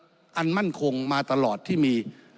เป็นหลักอันมั่นคงมาตลอดที่มี